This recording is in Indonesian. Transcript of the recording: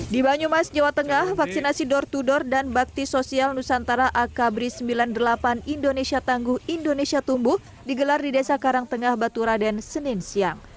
di banyumas jawa tengah vaksinasi door to door dan bakti sosial nusantara akbri sembilan puluh delapan indonesia tangguh indonesia tumbuh digelar di desa karangtengah baturaden senin siang